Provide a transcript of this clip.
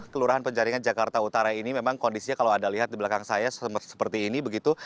kelurahan penjaringan jakarta utara ini memang kondisinya kalau anda lihat di belakang saya seperti ini begitu